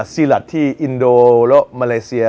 สีหลัดที่อินโดแล้วมาเลเซีย